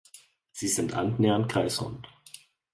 Sie sind annähernd kreisrund.